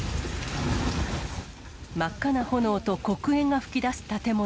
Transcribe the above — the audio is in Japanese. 真っ赤な炎と黒煙が噴き出す建物。